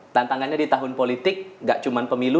tantangannya di tahun politik gak cuma pemilu